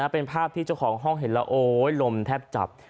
เป็นภาพที่เจ้าของห้องเห็นแล้วโอ๊ยลมแทบจับ